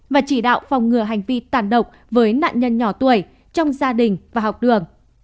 và chỉ đạo phòng ngừa hành vi tàn độc với nạn nhân nhỏ tuổi trong gia đình và học đường